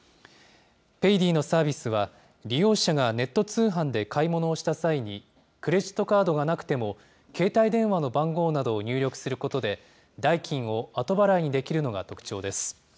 ペイディのサービスは、利用者がネット通販で買い物をした際に、クレジットカードがなくても、携帯電話の番号などを入力することで、代金を後払いにできるのが特徴です。